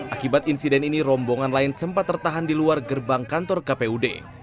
akibat insiden ini rombongan lain sempat tertahan di luar gerbang kantor kpud